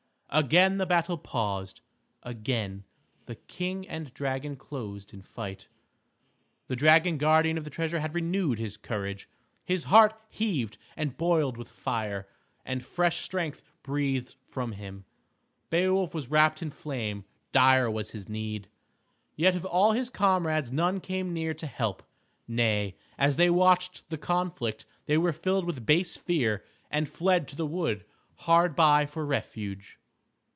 Again the battle paused, again the King and dragon closed in fight. The dragon guardian of the treasure had renewed his courage. His heart heaved and boiled with fire, and fresh strength breathed from him. Beowulf was wrapped in flame. Dire was his need. Yet of all his comrades none came near to help. Nay, as they watched the conflict they were filled with base fear, and fled to the wood hard by for refuge.